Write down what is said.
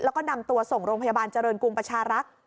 แล้วก็นำตัวส่งโรงพยาบาลเจริญกรุงประชารักษ์